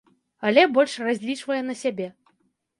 Але больш разлічвае на сябе.